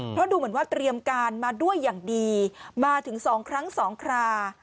เพราะดูเหมือนว่าเตรียมการมาด้วยอย่างดีมาถึง๒ครั้ง๒ครา